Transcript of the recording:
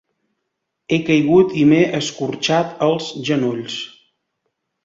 He caigut i m'he escorxat els genolls.